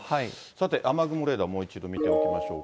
さて、雨雲レーダーもう一度見ておきましょう。